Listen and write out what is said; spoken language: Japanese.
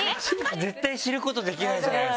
絶対知ることできないじゃないですか。